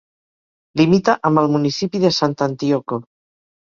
Limita amb el municipi de Sant'Antioco.